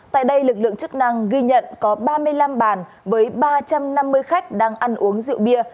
tại đây lực lượng chức năng ghi nhận có ba mươi năm bàn với ba trăm năm mươi khách đang ăn uống rượu bia